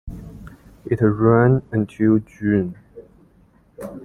It ran until June.